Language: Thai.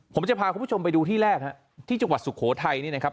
ผมจะพาคุณผู้ชมไปดูที่แรกฮะที่จังหวัดสุโขทัยนี่นะครับ